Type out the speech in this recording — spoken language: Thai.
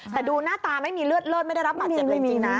แต่ดูหน้าตาไม่มีเลือดเลิศไม่ได้รับบาดเจ็บเลยจริงนะ